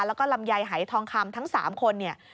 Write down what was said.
แล้วก็ลำไยหายทองคำทั้ง๓คนเนี่ย